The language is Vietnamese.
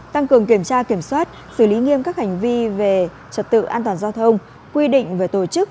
tăng cường kiểm tra kiểm soát xử lý nghiêm các hành vi về trật tự an toàn giao thông quy định về tổ chức